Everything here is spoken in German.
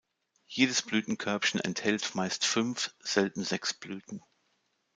Jedes Blütenkörbchen enthält meist fünf, selten sechs Blüten.